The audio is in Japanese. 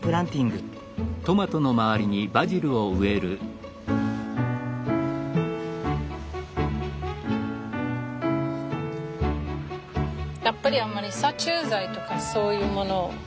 やっぱりあんまり殺虫剤とかそういうものを使いたくないしね。